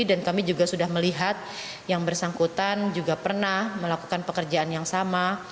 dan kami juga sudah melihat yang bersangkutan juga pernah melakukan pekerjaan yang sama